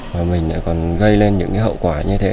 mà mình lại còn gây lên những hậu quả như thế